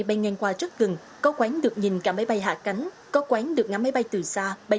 bay ngang qua rất gần có quán được nhìn cả máy bay hạ cánh có quán được ngắm máy bay từ xa bay